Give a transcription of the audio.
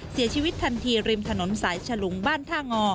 เสียชีวิตทันทีริมถนนสายฉลุงบ้านท่างอ